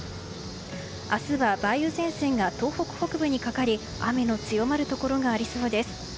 明日は梅雨前線が東北北部にかかり雨の強まるところがありそうです。